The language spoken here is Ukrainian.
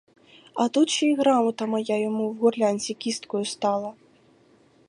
А тут ще й грамота моя йому в горлянці кісткою стала.